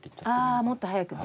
あもっと早くね。